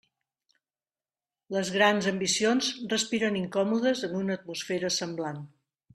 Les grans ambicions respiren incòmodes en una atmosfera semblant.